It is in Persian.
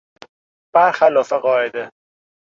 برخلاف قاعده